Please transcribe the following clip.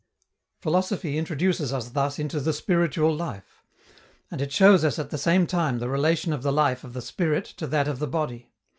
Philosophy introduces us thus into the spiritual life. And it shows us at the same time the relation of the life of the spirit to that of the body.